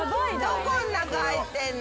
どこん中入ってんの。